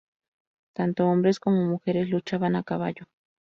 Tanto hombres como mujeres luchaban a caballo.